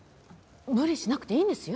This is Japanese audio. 無理しなくていいんですよ。